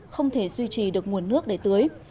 không thể duy trì được nguồn nước để tưới